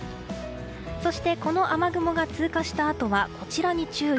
そしてこの雨雲が通過したあとはこちらに注意。